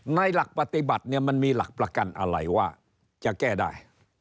หลักปฏิบัติเนี่ยมันมีหลักประกันอะไรว่าจะแก้ได้